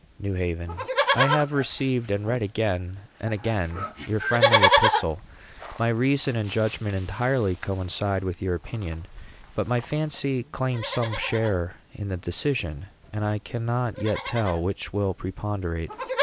NEW HAVEN. I have received, and read again and again, your friendly epistle. My reason and judgment entirely coincide with your opinion; but my fancy claims some share in the decision; and I cannot yet tell which will preponderate.